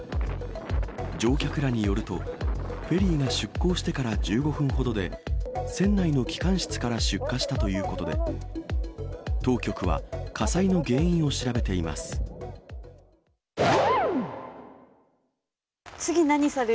乗客らによると、フェリーが出航してから１５分ほどで、船内の機関室が出火したということで、当局は火災の原因を調べています。